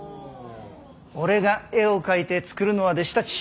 俺が絵を描いて作るのは弟子たち。